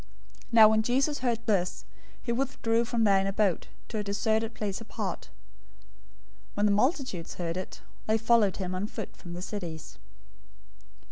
014:013 Now when Jesus heard this, he withdrew from there in a boat, to a deserted place apart. When the multitudes heard it, they followed him on foot from the cities.